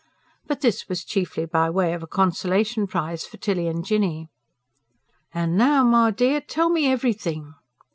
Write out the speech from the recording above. But this was chiefly by way of a consolation prize for Tilly and Jinny. "An' now, my dear, tell me EVERYTHING."